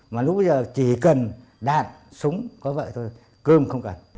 mà lúc bây giờ chỉ cần đạn súng có vậy thôi cơm không cần